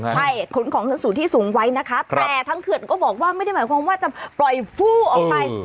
ใช่ขนของขึ้นสู่ที่สูงไว้นะคะแต่ทั้งเขื่อนก็บอกว่าไม่ได้หมายความว่าจะปล่อยฟู้ออกไป